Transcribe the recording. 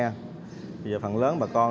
bây giờ phần lớn bà con